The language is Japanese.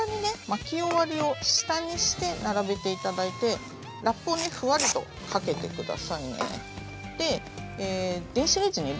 巻き終わりを下にして並べて頂いてラップをふわりとかけて下さいね。